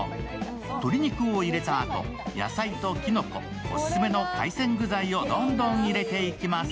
鶏肉を入れたあと、野菜ときのこ、オススメの海鮮具材をどんどん入れていきます。